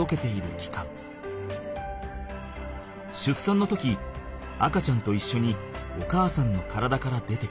しゅっさんの時赤ちゃんといっしょにお母さんの体から出てくる。